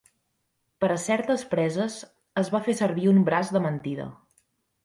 Per a certes preses es va fer servir un braç de mentida.